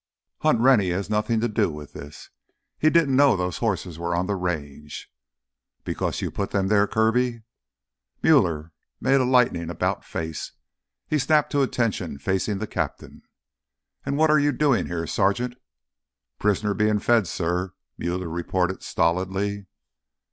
"Hunt Rennie has nothing to do with this. He didn't know those horses were on the Range——" "Because you put them there, Kirby?" Muller made a lightning about face. He snapped to attention facing the captain. "And what are you doing here, Sergeant?" "Prisoner bein' fed, sir!" Muller reported stolidly.